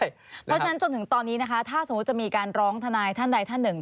เพราะฉะนั้นจนถึงตอนนี้นะคะถ้าสมมุติจะมีการร้องทนายท่านใดท่านหนึ่ง